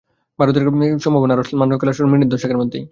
ভারতের সম্ভাবনা আরও ম্লান হয়ে গেল খেলা শুরুর মিনিট দশেকের মধ্যেই।